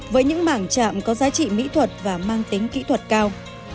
với những bảng trạm có giá trị mỹ thuật và mang tính kỹ thuật cao